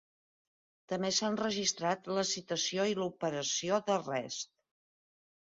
També s'han registrat la citació i l'operació d'arrest.